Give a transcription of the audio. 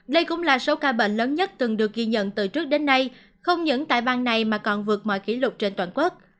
đây cũng là số ca bệnh lớn nhất từng được ghi nhận từ trước đến nay không những tại bang này mà còn vượt mọi kỷ lục trên toàn quốc